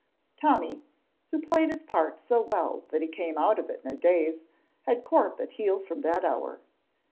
Tommy, who played his part so well that he came out of it in a daze, had Corp at heel from that hour.